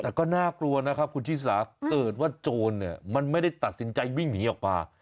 แต่ก็น่ากลัวนะครับคุณชิสาเกิดว่าโจรเนี่ยมันไม่ได้ตัดสินใจวิ่งหนีออกมา